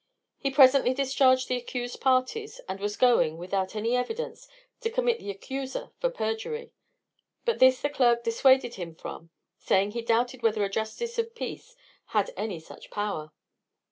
He presently discharged the accused parties, and was going, without any evidence, to commit the accuser for perjury; but this the clerk dissuaded him from, saying he doubted whether a justice of peace had any such power.